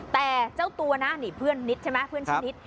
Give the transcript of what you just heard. แต่เจ้าตัวนะนี่เพื่อนนิดใช่ไหมเพื่อนชื่อนิด